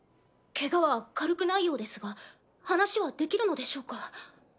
ケガは軽くないようですが話はできるのでしょうか？